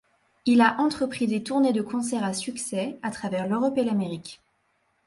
Il a entrepris des tournées de concerts à succès à travers l'Europe et l'Amérique.